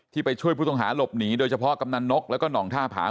ไปช่วยผู้ต้องหาหลบหนีโดยเฉพาะกำนันนกแล้วก็ห่องท่าผา